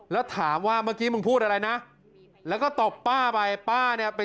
แล้วถามว่าเมื่อกี้มึงพูดอะไรนะแล้วก็ตบป้าไป